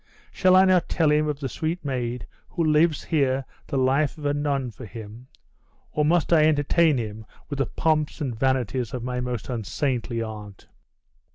Shall I not tell him of the sweet maid who lives here the life of a nun for him? Or, must I entertain him with the pomps and vanities of my most unsaintly aunt?"